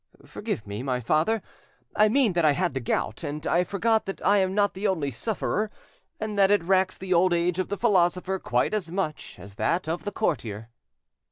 —Forgive me, my father; I mean that I had the gout, and I forgot that I am not the only sufferer, and that it racks the old age of the philosopher quite as much as that of the courtier."